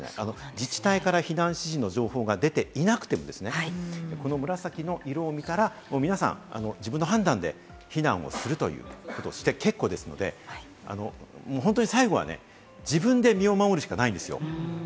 自治体から避難指示の情報が出ていなくても紫の色を見たら皆さん、自分の判断で避難をするということをして結構ですので、最後は自分で身を守るしかないんですよ。